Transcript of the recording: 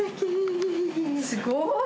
すごい！